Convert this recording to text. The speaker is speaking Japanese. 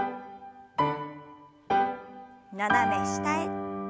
斜め下へ。